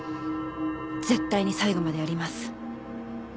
絶対に最後までやります。